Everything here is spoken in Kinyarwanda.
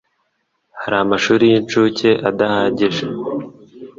Hari amashuri y'inshuke adahagije